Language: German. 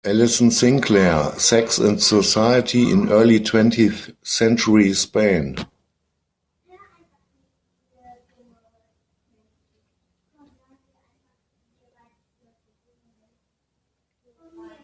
Alison Sinclair: "Sex and Society in Early Twentieth-Century Spain.